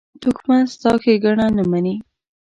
دښمن ستا ښېګڼه نه مني